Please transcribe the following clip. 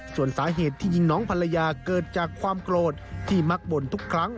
ส่วนสาเหตุที่ยิงน้องภรรยาเกิดจากความโกรธที่มักบ่นทุกครั้ง